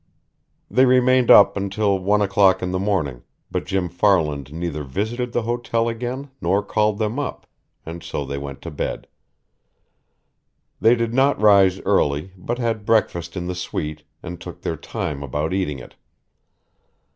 They remained up until one o'clock in the morning, but Jim Farland neither visited the hotel again nor called them up, and so they went to bed. They did not rise early, but had breakfast in the suite and took their time about eating it.